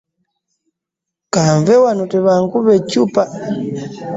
Kanve wano tebankuba ekyuppa .